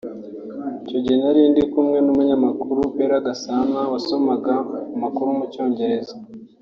icyo gihe nari ndi kumwe n’umunyamakuru Bella Gasana wasomaga amakuru mu cyongereza